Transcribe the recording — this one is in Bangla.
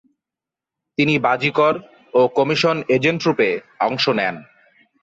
তিনি বাজিকর ও কমিশন এজেন্টরূপে অংশ নেন।